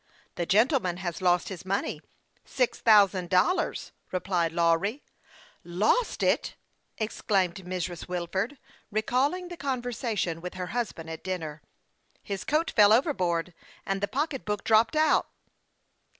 " The gentleman has lost his money six thou sand dollars," replied Lawry. " Lost it !" exclaimed Mrs. Wilford, recalling the conversation with her husband at dinner. " His coat fell overboard, and the pocketbook dropped out."